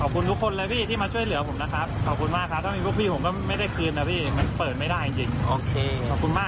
กู้ภัยเก่งจริงค่ะ